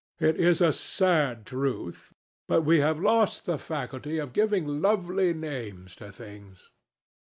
It is a sad truth, but we have lost the faculty of giving lovely names to things.